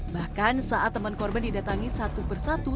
bahkan saat teman korban didatangi satu persatu